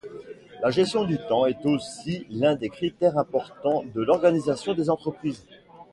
La gestion du temps est aussi l'un des paramètres importants de l'organisation des entreprises.